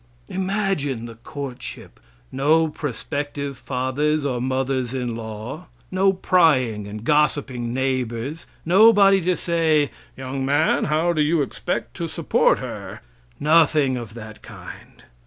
Imagine the courtship! No prospective fathers or mothers in law; no prying and gossiping neighbors, nobody to say, "Young man, how do you expect to support her?" Nothing of that kind.